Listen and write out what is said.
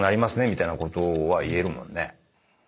みたいなことは言えるもんね。